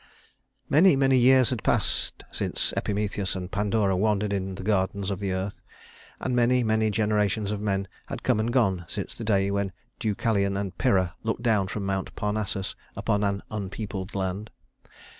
II Many, many years had passed since Epimetheus and Pandora wandered in the gardens of the earth; and many, many generations of men had come and gone since the day when Deucalion and Pyrrha looked down from Mount Parnassus upon an unpeopled land.